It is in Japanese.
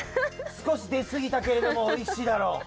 すこしですぎたけれどもおいしいだろう。